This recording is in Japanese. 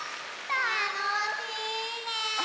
たのしいね！